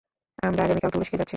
আমরা আগামীকাল তুরস্কে যাচ্ছি।